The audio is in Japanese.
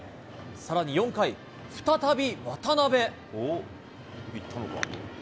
さらに４回、再び渡邉。